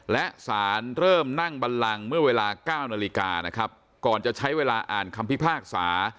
และสารเริ่มนั่งบันลังเมื่อเวลา๙นาฬิกานะครับก่อนจะใช้เวลาอ่านคำพิพากษา